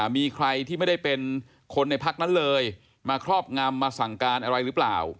มีใครที่ไม่ได้เป็นคนในพักนั้นเลยมาครอบงำมาสั่งการอะไรหรือเปล่า